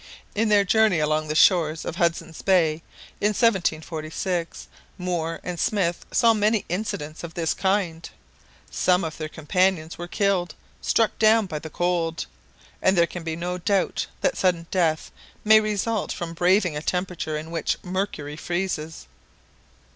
In their journey along the shores of Hudson's Bay in 1746, Moor and Smith saw many incidents of this kind, some of their companions were killed, struck down by the cold, and there can be no doubt that sudden death may result from braving a temperature in which mercury freezes.